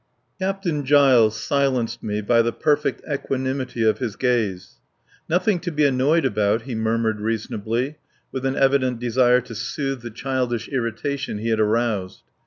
Captain Giles silenced me by the perfect equanimity of his gaze. "Nothing to be annoyed about," he murmured reasonably, with an evident desire to soothe the childish irritation he had aroused.